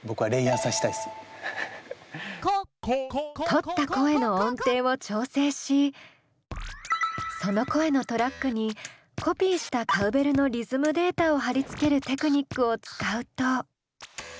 録った声の音程を調整しその声のトラックにコピーしたカウベルのリズムデータを貼り付けるテクニックを使うと。